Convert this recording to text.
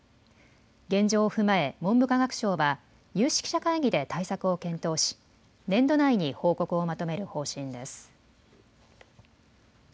現状を踏まえ文部科学省は有識者会議で対策を検討し年度内に報告をまとめる方針です。